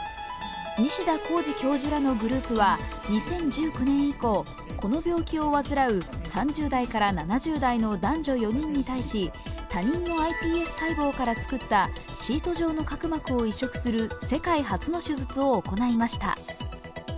西田幸二教授らのグループは２０１９年以降この病気を患う３０代から７０代の男女４人に対し、他人のｉＰＳ細胞から作ったシート状の角膜を移殖する世界初の手術を行いました。